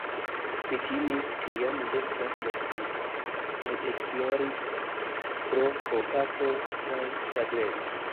Mi timis, ke jam li estas mortinta kaj ekploris pro kompato kaj ĉagreno.